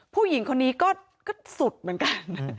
ผู้หญิงคนนี้ก็สุดเหมือนกัน